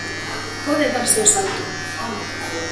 Pode darse o salto.